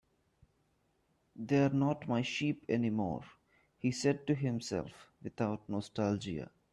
"They're not my sheep anymore," he said to himself, without nostalgia.